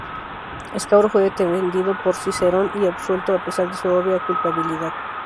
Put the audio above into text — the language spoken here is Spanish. Escauro fue defendido por Cicerón, y absuelto a pesar de su obvia culpabilidad.